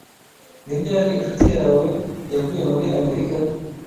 Ni ryari inshuti yawe yavuye muri Amerika?